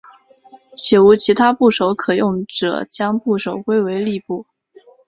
且无其他部首可用者将部首归为立部。